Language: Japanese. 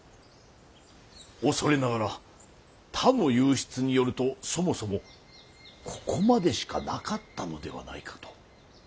恐れながら他の右筆によるとそもそもここまでしかなかったのではないかと。